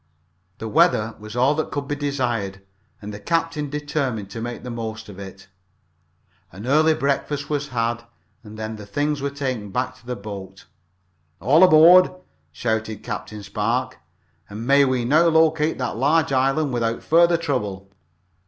The weather was all that could be desired, and the captain determined to make the most of it. An early breakfast was had, and then the things were taken back to the boat. "All aboard!" shouted Captain Spark. "And may we now locate that large island without further trouble."